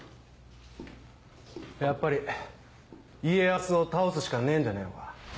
やっぱり家康を倒すしかねえんじゃねぇのか。